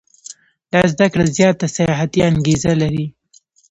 دا زده کړه زیاته سیاحتي انګېزه لري.